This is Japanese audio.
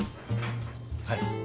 はい。